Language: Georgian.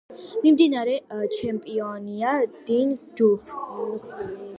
მიმდინარე ჩემპიონია დინ ჯუნხუი.